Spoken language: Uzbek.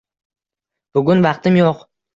Bugun vaqtim yo'q.